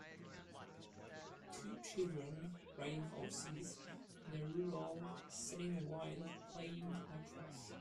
two children riding horses in a rural setting while playing lacrosse